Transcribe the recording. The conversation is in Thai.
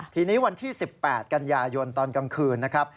ทีนี้วันที่๑๘กันยายนตอนกลางคืนนะครับ